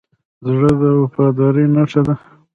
زړه د وفادارۍ نښه ده.